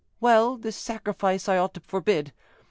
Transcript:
"Well, this sacrifice I ought to forbid.